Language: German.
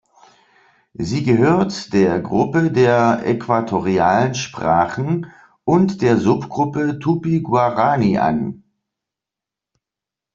Sie gehört der Gruppe der Äquatorialen Sprachen und der Sub-Gruppe Tupí-Guaraní an.